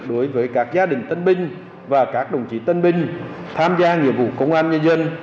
đối với các gia đình tân binh và các đồng chí tân binh tham gia nhiệm vụ công an nhân dân